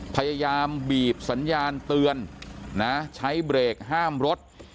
พยายามบีบสัญญาณเตือนนะใช้เบรกห้ามรถ